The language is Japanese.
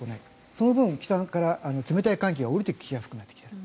その分、北から冷たい寒気が下りてきやすくなってきている。